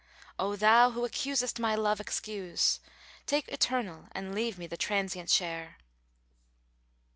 O thou who accusest my love excuse: * Take eternal and leave me the transient share."